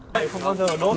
cảm ơn các đơn vị